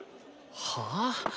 はあ？